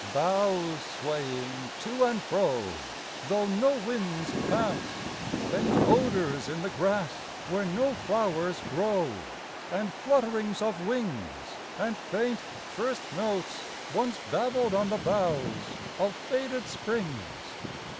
Boughs swaying to and fro Though no winds pass... Faint odors in the grass Where no flowers grow, And flutterings of wings And faint first notes, Once babbled on the boughs Of faded springs.